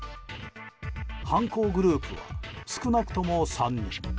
犯行グループは少なくとも３人。